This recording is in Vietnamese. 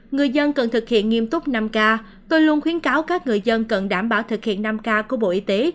người dân cần thực hiện nghiêm túc năm k tôi luôn khuyến cáo các người dân cần đảm bảo thực hiện năm k của bộ y tế